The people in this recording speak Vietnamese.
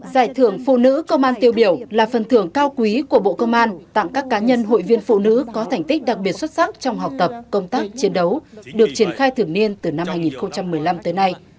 giải thưởng phụ nữ công an tiêu biểu là phần thưởng cao quý của bộ công an tặng các cá nhân hội viên phụ nữ có thành tích đặc biệt xuất sắc trong học tập công tác chiến đấu được triển khai thường niên từ năm hai nghìn một mươi năm tới nay